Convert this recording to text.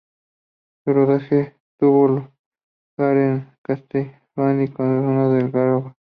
Su rodaje tuvo lugar en Castelldefels y la comarca de El Garraf.